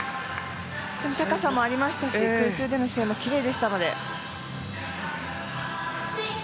高さもありましたし空中での姿勢もきれいでした。